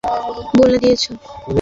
সবকিছু গড়গড় করে বলে দিয়েছো?